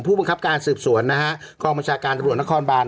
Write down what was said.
ผู้บังคับการสืบสวนนะฮะกองบัญชาการตำรวจนครบาน